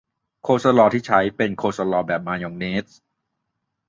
โคลสลอว์ที่ใช้เป็นโคลสลอว์แบบมายองเนส